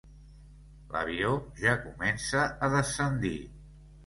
L'avió ja comença a descendir.